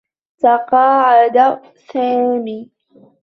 تقاعد سامي.